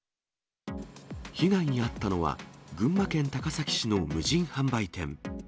被害に遭ったのは、群馬県高崎市の無人販売店。